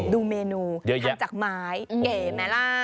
ดูเมนูเย็นจากไม้เก๋ไหมล่ะ